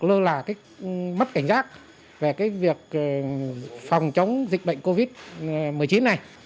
lơ là cái mất cảnh giác về cái việc phòng chống dịch bệnh covid một mươi chín này